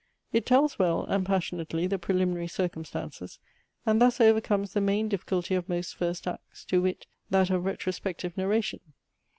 It tells well and passionately the preliminary circumstances, and thus overcomes the main difficulty of most first acts, to wit, that of retrospective narration.